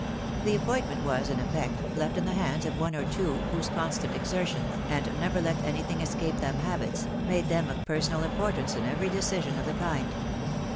The appointment was, in effect, left in the hands of one or two, whose constant exertions, and never let wiy thing eseape them habits, made them of personal import ance in every decision of "die kind.